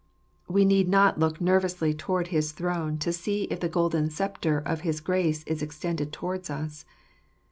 We need not look nervously towards his throne to see if the golden sceptre of his grace is extended towards us.